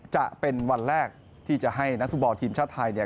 จะเป็นวันแรกที่จะให้นักฟุตบอลทีมชาติไทยเนี่ย